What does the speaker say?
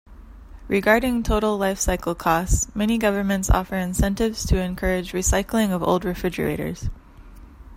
Regarding total life-cycle costs, many governments offer incentives to encourage recycling of old refrigerators.